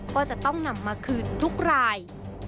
ก็จะต้องนำมาคืนทุกราย